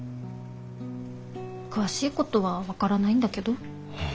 詳しいことは分からないんだけど。